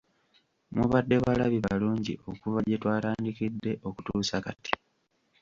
Mubadde balabi balungi okuva gye twatandikidde okutuusa kati.